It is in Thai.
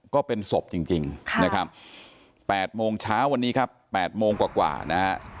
ก็เป็นศพจริงนะครับ๘โมงเช้าวันนี้ครับ๘โมงกว่านะฮะ